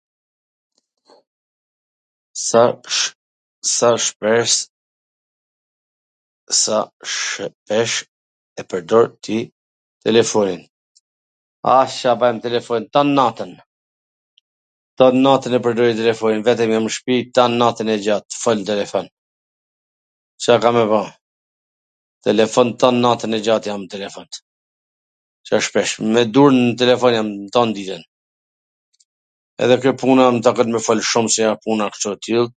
Sa shpres -sa shpesh- e pwrdor ti telefonin? Ah, Ca baj me telefonin, tan natwn, tan natwn e pwrdori telefonin, vetwm jam nw shpi, tan natwn e gjat fol nw telefon, Ca kam me ba? Telefon, tan natwn e gjat jam nw telefon, Ca shpesh, me dur n telefon jam tan ditwn, edhe kjo puna m takon me fol shum se ja puna kshu o e till...